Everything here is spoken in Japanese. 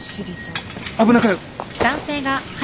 危なかよ。